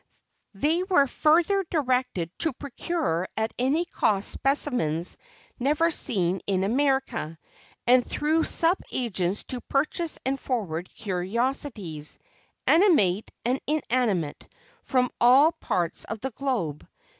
They were further directed to procure at any cost specimens never seen in America, and through sub agents to purchase and forward curiosities animate and inanimate from all parts of the globe.